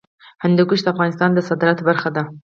هندوکش د افغانستان د صادراتو برخه ده.